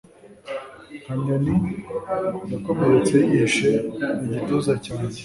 nka nyoni yakomeretse yihishe mu gituza cyanjye